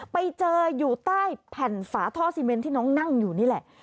ไปเจออยู่ใต้แผ่นฝาท่อซีเมนที่น้องนั่งอยู่นี่แหละ